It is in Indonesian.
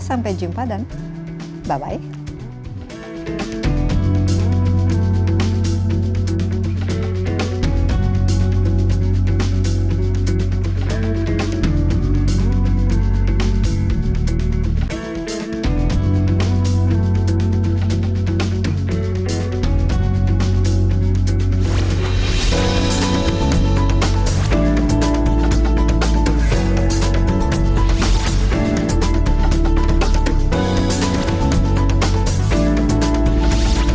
sampai jumpa dan bye bye